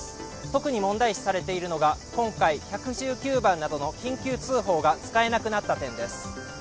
特に問題視されているのが、今回、１１９番などの緊急通報が使えなくなった点です。